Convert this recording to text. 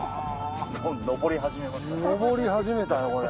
上り始めましたね。